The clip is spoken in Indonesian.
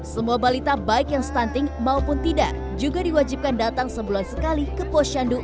semua balita baik yang stunting maupun tidak juga diwajibkan datang sebulan sekali ke posyandu